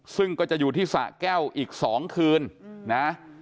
ซึ่งก็จะอยู่ที่สะแก้วอีก๒คืนนะ